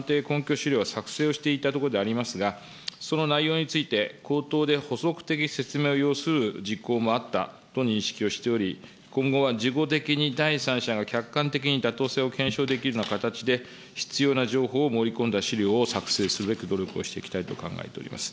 資料は作成をしていたところでありますが、その内容について口頭で補足的説明を要する事項もあったと認識をしており、今後は事後的に第三者が客観的に妥当性を検証できるような形で必要な情報を盛り込んだ資料を作成すべく努力をしていきたいと考えております。